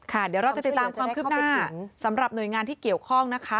เดี๋ยวเราจะติดตามความคืบหน้าสำหรับหน่วยงานที่เกี่ยวข้องนะคะ